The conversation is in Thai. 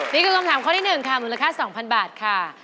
นี่คือคำถามข้อที่๑ค่ะมูลค่า๒๐๐๐บาทค่ะ